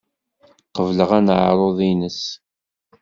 Qebleɣ aneɛruḍ-nnes.